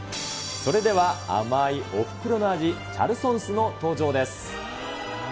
それでは甘いおふくろの味、チャルソンスの登場です。